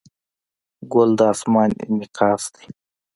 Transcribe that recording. ګل د اسمان انعکاس دی.